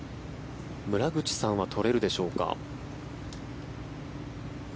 村口さんは取れるでしょうか。